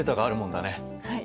はい。